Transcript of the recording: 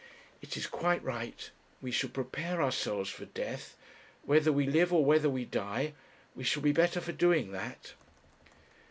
'It is quite right we should prepare ourselves for death. Whether we live, or whether we die, we shall be better for doing that.'